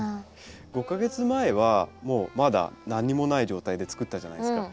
５か月前はまだ何もない状態で作ったじゃないですか。